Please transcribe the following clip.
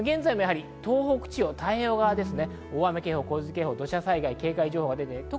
現在も東北地方、太平洋側、大雨警報、洪水警報、土砂災害警戒情報が出ています。